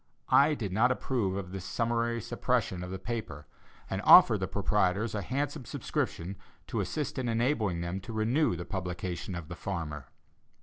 I did not approve of this summary suppression of the paper, and offered the proprietors a handsome subscription to assist in enabling them to renew the publication of the Farmer.